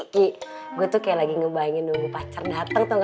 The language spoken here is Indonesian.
kalo ketawa serius gua